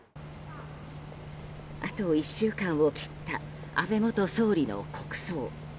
あと１週間を切った安倍元総理の国葬。